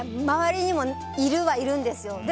周りにもいるはいるんですよ。